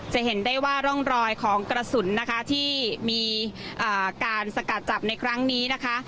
จะเห็นได้ว่าร่องรอยของกระสุนนะคะที่มีการสกัดจับในครั้งนี้นะคะ